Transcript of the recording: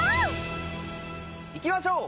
いきましょう！